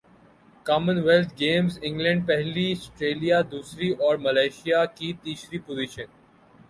common wealth Games England پہلی Australia دوسری اور ملائشیا کی تیسری پوزیشن